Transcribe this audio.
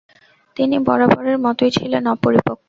তিনি বরাবরের মতোই ছিলেন অপরিপক্ব।